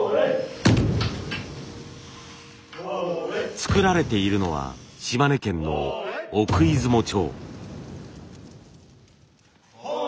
作られているのは島根県の奥出雲町。